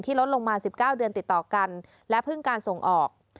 ที่ลดลงมาสิบเก้าเดือนติดต่อกันและพึ่งการส่งออก